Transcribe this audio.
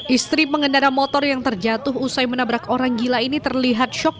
istri pengendara motor yang terjatuh usai menabrak orang gila ini terlihat shock